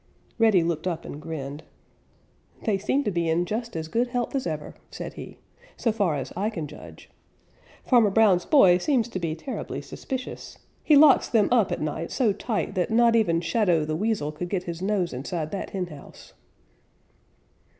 Reddy looked up and grinned. "They seem to be in just as good health as ever," said he, "so far as I can judge. Farmer Brown's boy seems to be terribly suspicious. He locks them up at night so tight that not even Shadow the Weasel could get his nose inside that henhouse."